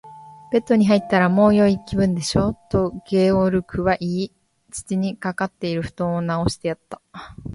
「ベッドに入ったら、もうよい気分でしょう？」と、ゲオルクは言い、父にかかっているふとんをなおしてやった。